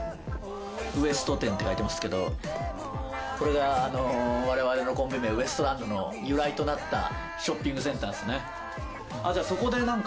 「ウエスト店」って書いてますけどこれが我々のコンビ名ウエストランドの由来となったショッピングセンターですね。